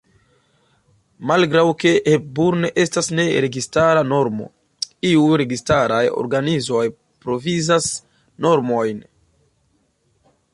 Malgraŭ ke Hepburn estas ne registara normo, iuj registaraj organizoj provizas normojn.